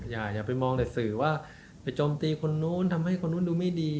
อย่าไปมองแต่สื่อว่าไปโจมตีคนนู้นทำให้คนนู้นดูไม่ดี